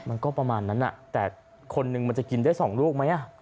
มันก็ประมาณนั้นแต่คนนึงมันจะกินได้๒ลูกไหม